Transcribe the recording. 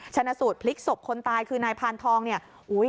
ชนะสูตรพลิกศพคนตายคือนายพานทองเนี่ย